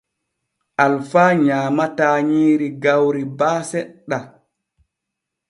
Alfa nyaamataa nyiiri gawri baa seɗɗa.